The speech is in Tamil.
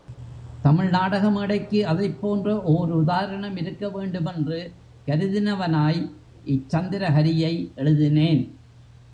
தமிழ் நாடக மேடைக்கு அதைப் போன்ற ஓர் உதாரணம் இருக்க வேண்டுமென்று கருதினவனாய் இச் சந்திரஹரியை எழுதினேன்.